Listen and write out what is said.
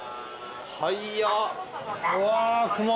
速っ。